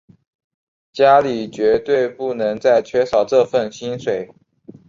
家里绝对不能再缺少这份薪水